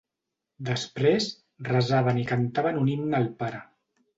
Després, resaven i cantaven un himne al Pare.